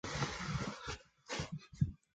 防己叶菝葜为百合科菝葜属下的一个种。